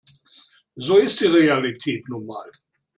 So ist die Realität nun mal.